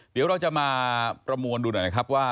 เดี๋ยวเราจะมาประมวลดูหน่อยนะครับว่า